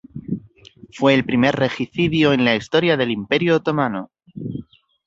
Fue el primer regicidio en la historia del Imperio otomano.